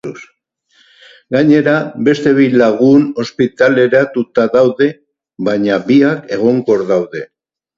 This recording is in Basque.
Gainera, beste bi lagun ospitaleratuta daude, baina biak egonkor daude.